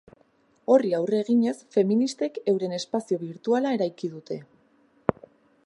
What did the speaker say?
Horri aurre eginez, feministek euren espazio birtuala eraiki dute.